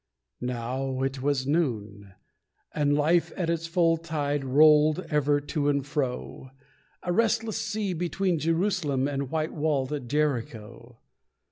Now it was noon, and life at its full tide Rolled ever to and fro, A restless sea, between Jerusalem And white walled Jericho.